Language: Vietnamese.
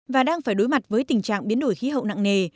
và đang phải đối mặt với tình trạng biến đổi khí hậu nặng nề